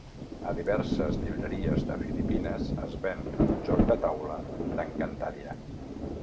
A diverses llibreries de Filipines es ven un joc de taula d'Encantadia.